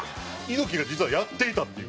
猪木が実はやっていたっていう。